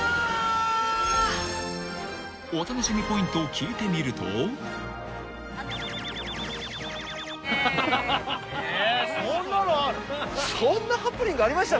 ［お楽しみポイントを聞いてみると］え？